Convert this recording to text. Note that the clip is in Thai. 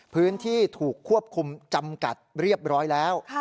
พื้นที่ถูกควบคุมจำกัดเรียบร้อยแล้ว